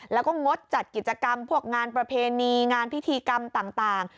แล้วก็งดจัดกิจกรรมพวกงานประเพณีงานพิธีกรรมต่าง